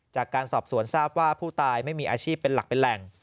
จากการสอบสวนทราบว่าผู้ตายไม่มีอาชีพเป็นหลักเป็นแหล่ง